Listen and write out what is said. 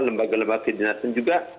lembaga lembaga keindianasian juga